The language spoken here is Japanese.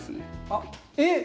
あっえっ！